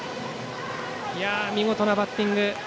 見事なバッティング。